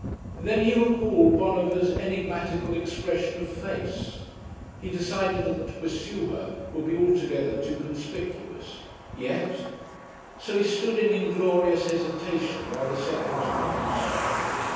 Then he recalled Bonover's enigmatical expression of face. He decided that to pursue her would be altogether too conspicuous. Yet ... So he stood in inglorious hesitation, while the seconds passed.